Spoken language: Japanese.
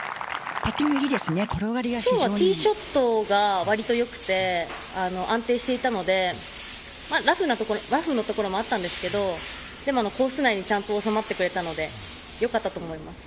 今日はティーショットがわりとよくて安定していたのでラフのところもあったんですがコース内にちゃんと収まってくれたのでよかったと思います。